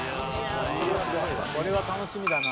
「これは楽しみだな」